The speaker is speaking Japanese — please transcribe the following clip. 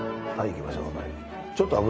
鯛いきましょう